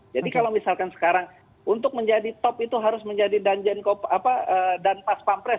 jadi kalau misalkan sekarang untuk menjadi top itu harus menjadi dan pas pampres